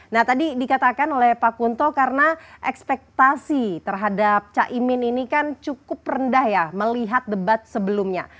nah tadi dikatakan oleh pak kunto karena ekspektasi terhadap caimin ini kan cukup rendah ya melihat debat sebelumnya